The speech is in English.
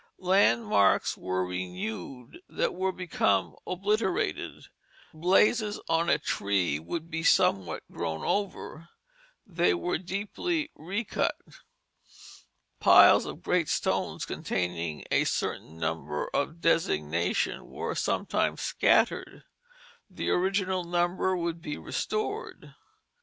Landmarks were renewed that were becoming obliterated; blazes on a tree would be somewhat grown over they were deeply recut; piles of great stones containing a certain number for designation were sometimes scattered the original number would be restored.